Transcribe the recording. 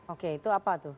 oke itu apa tuh